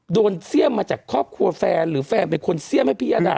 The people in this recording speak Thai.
เสี่ยมมาจากครอบครัวแฟนหรือแฟนเป็นคนเสี่ยมให้พิยดา